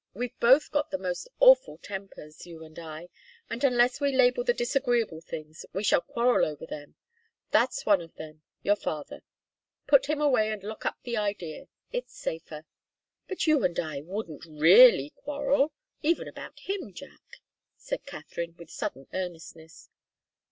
We've both got the most awful tempers, you and I, and unless we label the disagreeable things, we shall quarrel over them. That's one of them your father. Put him away and lock up the idea. It's safer." "But you and I wouldn't really quarrel even about him, Jack," said Katharine, with sudden earnestness.